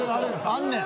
あんねん。